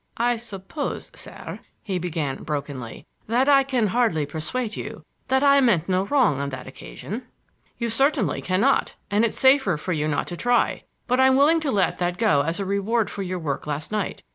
"I suppose, sir," he began brokenly, "that I can hardly persuade you that I meant no wrong on that occasion." "You certainly can not,—and it's safer for you not to try. But I'm willing to let all that go as a reward for your work last night.